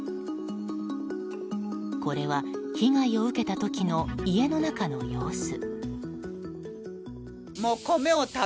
これは、被害を受けた時の家の中の様子。